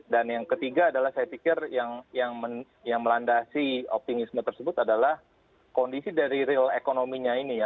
dan yang ketiga adalah saya pikir yang melandasi optimisme tersebut adalah kondisi dari real ekonominya ini ya